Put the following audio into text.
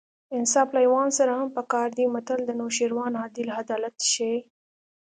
انصاف له حیوان سره هم په کار دی متل د نوشیروان عادل عدالت ښيي